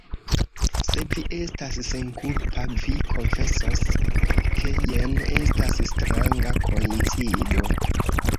Se vi estas senkulpa, vi konfesos, ke jen estas stranga koincido.